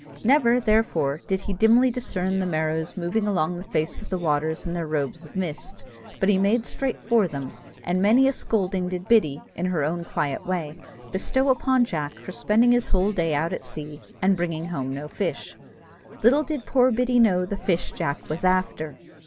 Never, therefore, did he dimly discern the Merrows moving along the face of the waters in their robes of mist, but he made direct for them; and many a scolding did Biddy, in her own quiet way, bestow upon Jack for spending his whole day out at sea, and bringing home no fish. Little did poor Biddy know the fish Jack was after!